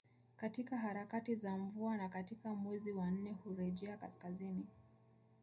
Katika harakati za mvua na katika mwezi wa nne hurejea kaskazini